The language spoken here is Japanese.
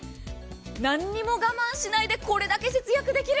何も我慢しないでこれだけ節約できる。